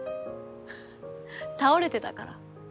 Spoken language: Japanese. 倒れてたから。